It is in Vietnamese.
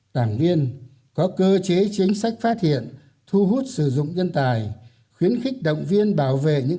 đảng viên có cơ chế chính sách phát hiện thu hút sử dụng nhân tài khuyến khích động viên bảo vệ những